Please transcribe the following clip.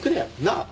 なあ？